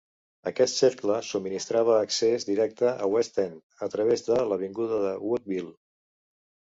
Aquest cercle subministrava accés directe a West End a través de l'avinguda Woodville.